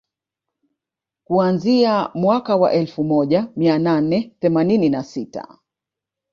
Kuanzia mwaka wa elfu moja mia nane themanini na sita